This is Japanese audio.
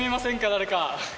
誰か。